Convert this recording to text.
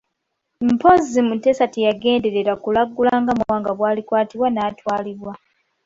Mpozzi Mutesa teyagenderera kulagula nga Mwanga bw'alikwatibwa n'atwalibwa.